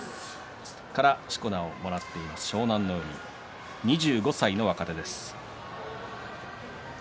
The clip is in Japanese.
そこから、しこ名をもらっている湘南乃海、２５歳の若手です。